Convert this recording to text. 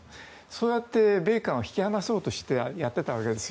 そうやって米韓を引き離そうということをやってたわけです。